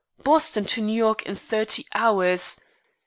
Boston to New York in thirty hours!